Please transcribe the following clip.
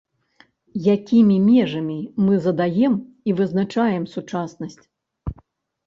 Якімі межамі мы задаем і вызначаем сучаснасць?